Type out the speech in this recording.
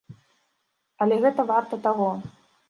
Але гэта варта таго!